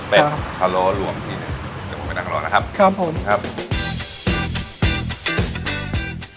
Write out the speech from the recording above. เป็นพะโล้รวมทีหนึ่งเดี๋ยวผมไปนั่งรอนะครับครับผมครับ